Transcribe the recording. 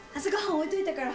置いといたから。